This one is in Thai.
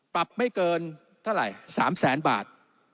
ปรับไม่เกินเท่าไหร่๓แสนบาท